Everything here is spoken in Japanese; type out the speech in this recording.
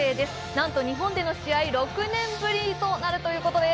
なんと日本での試合は６年ぶりとなるということです。